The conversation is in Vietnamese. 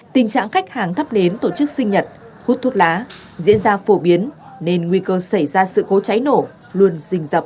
tình trạng khách hàng thắp nến tổ chức sinh nhật hút thuốc lá diễn ra phổ biến nên nguy cơ xảy ra sự cố cháy nổ luôn rình dập